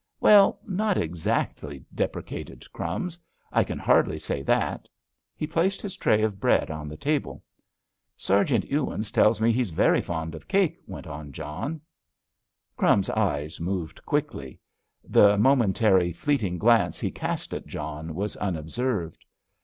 "Well, not exactly," deprecated "Crumbs." "I can hardly say that." He placed his tray of bread on the table. "Sergeant Ewins tells me he's very fond of cake," went on John. "Crumbs's" eyes moved quickly. The momentary, fleeting glance he cast at John was unobserved.